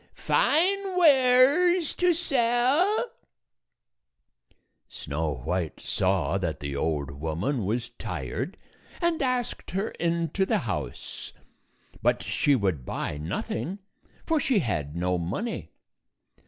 Fine wares to sell !" 237 Snow White saw that the old woman was tired, and asked her into the house; but she would buy nothing, for she had no money.